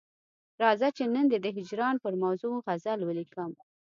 راځه چې نن دي د هجران پر موضوع غزل ولیکم.